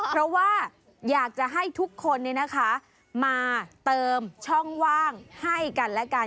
เพราะว่าอยากจะให้ทุกคนมาเติมช่องว่างให้กันและกัน